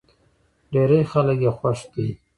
ډېری خلک يې خوښ دی.